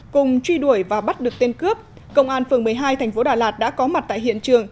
cùng truy đuổi và bắt được tên cướp công an phường một mươi hai thành phố đà lạt đã có mặt tại hiện trường